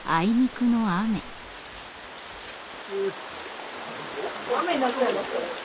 雨になっちゃいましたね。